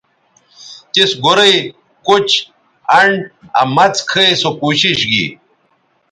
تِس گورئ، کُچ، انڈ آ مڅ کھئ سو کوشش گی